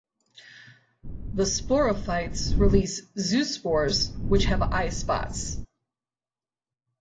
The sporophytes release zoospores which have eyespots.